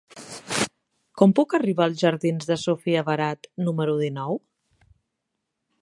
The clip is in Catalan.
Com puc arribar als jardins de Sofia Barat número dinou?